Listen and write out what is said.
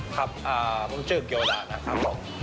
ครับผมชื่อเกียวดานะครับ